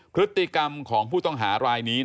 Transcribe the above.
พฤติกรรมของผู้ต้องหารายนี้